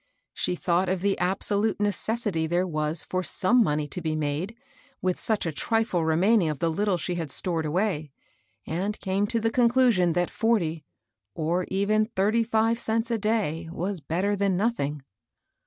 She thought of the absolute necessity there was i(X 88 MABEL ROSS. 9ome monej to be made, with such a trifle te^ maining of the little she had stored away, and came to the concludon that forty, or even thirty five cents a day was better than nothing.